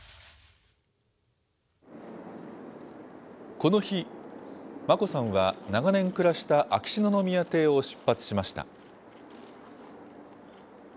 この日、眞子さんは長年暮らした秋篠宮邸を出発しました。